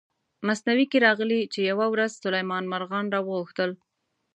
مثنوي کې راغلي چې یوه ورځ سلیمان مارغان را وغوښتل.